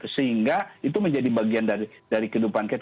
sehingga itu menjadi bagian dari kehidupan kita